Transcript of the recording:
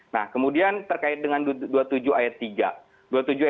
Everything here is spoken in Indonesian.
nah kemudian terkait dengan dua puluh tujuh ayat tiga